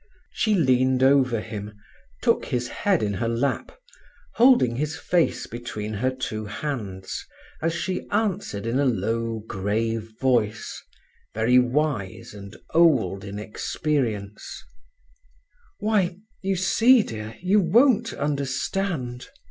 She leaned over him, took his head in her lap, holding his face between her two hands as she answered in a low, grave voice, very wise and old in experience: "Why, you see, dear, you won't understand.